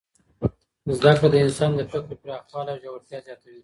زده کړه د انسان د فکر پراخوالی او ژورتیا زیاتوي.